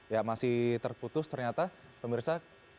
ya masih terputus ternyata pemirsa